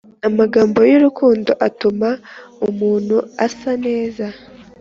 amagambo y’urukundo atuma umuntu asa neza